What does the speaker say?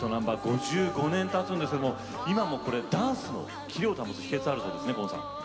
５５年たつんですけども今もダンスのキレを保つ秘けつがあるそうですね。